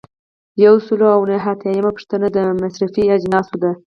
یو سل او نهه اتیایمه پوښتنه د مصرفي اجناسو ده.